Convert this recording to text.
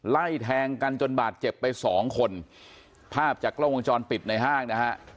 ไล่แทงกันจนบาดเจ็บไปสองคนภาพจากกล้องวงจรปิดในห้างนะฮะ